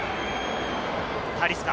タリスカ。